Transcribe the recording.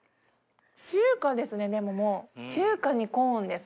中華ですねでももう中華にコーンです。